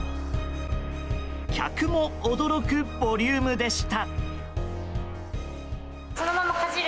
客も驚くボリュームでした。